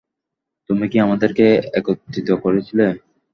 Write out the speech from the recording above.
তুমি কি আমাদেরকে একত্রিত করেছিলে?